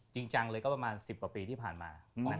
จริงจังเลยก็ประมาณ๑๐กว่าปีที่ผ่านมา